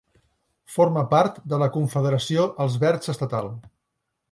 Forma part de la Confederació Els Verds estatal.